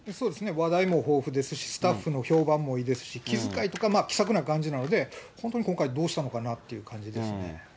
話題も豊富ですし、スタッフの評判もいいですし、気遣いとか、気さくな感じなので、本当に今回、どうしたのかなって感じですね。